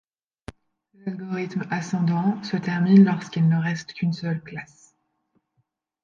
L'algorithme ascendant se termine lorsqu'il ne reste qu'une seule classe.